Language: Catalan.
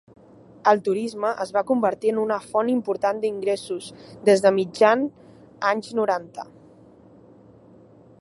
El turisme es va convertir en una font important d'ingressos des de mitjan anys noranta.